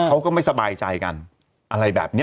เขาก็ไม่สบายใจกันอะไรแบบนี้